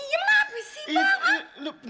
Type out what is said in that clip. dih diam lah bukannya si abang